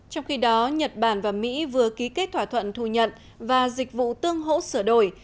trong khi đó nhật bản và mỹ vừa ký kết thỏa thuận thu nhận và dịch vụ tương hỗ sửa đổi